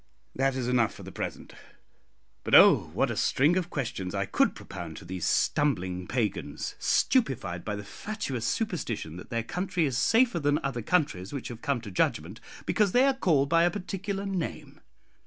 "That is enough for the present. But oh! what a string of questions I could propound to these stumbling pagans, stupefied by the fatuous superstition that their country is safer than other countries which have come to judgment, because they are called by a particular name!